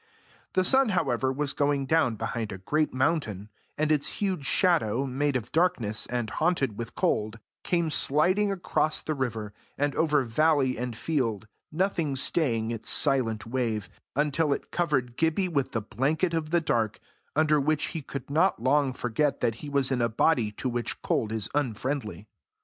The sun, however, was going down behind a great mountain, and its huge shadow, made of darkness, and haunted with cold, came sliding across the river, and over valley and field, nothing staying its silent wave, until it covered Gibbie with the blanket of the dark, under which he could not long forget that he was in a body to which cold is unfriendly.